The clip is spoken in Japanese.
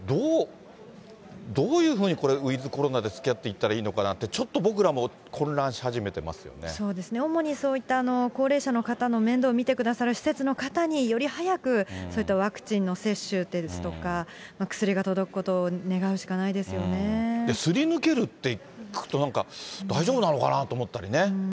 どういうふうにこれ、ウィズコロナでつきあっていったらいいのかなって、ちょっと僕らそうですね、主にそういった高齢者の方の面倒を見てくださる施設の方により早くそういったワクチンの接種ですとか、薬が届くことを願うしかなすり抜けるって聞くと、大丈夫なのかなって思ったりね。